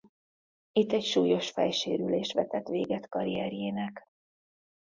Itt egy súlyos fejsérülés vetett véget karrierjének.